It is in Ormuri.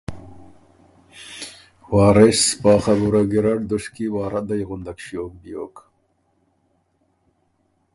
وارث پا خبُره ګیرډ دُشکی وار ردئ غُندک ݭیوک بیوک۔